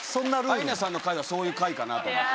アイナさんの回はそういう回かなと思って。